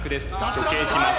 処刑します